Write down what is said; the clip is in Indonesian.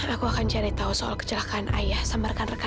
aku akan cari tahu soal kecelakaan ayah sama rekan rekan